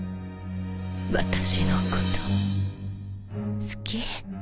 私のこと好き？